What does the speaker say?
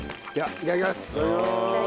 いただきます。